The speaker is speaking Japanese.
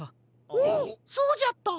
おおそうじゃった。